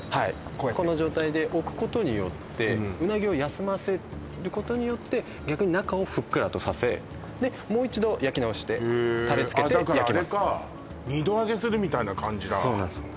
こうやってこの状態で置くことによってうなぎを休ませることによって逆に中をふっくらとさせでもう一度焼き直してへえタレつけて焼きますあっだからあれか二度揚げするみたいな感じだそうなんですよ